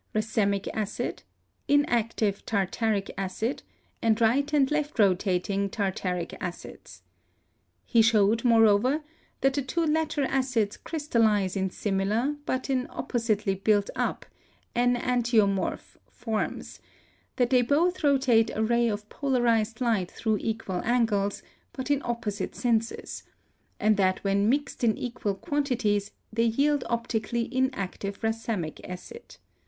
racemic acid, inactive tartaric acid, and right and left rotating tartaric acids. He showed, more over, that the two latter acids crystallize in similar, but in oppositely built up (enantiomorph) forms; that they both rotate a ray of polarized light through equal angles, but in opposite senses ; and that when mixed in equal quan tities they yield optically inactive racemic acid.